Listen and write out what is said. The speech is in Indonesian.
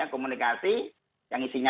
komunikasi yang isinya